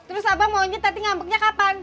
terus abang mau unci tat ngambeknya kapan